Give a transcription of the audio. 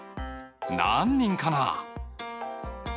何人かな？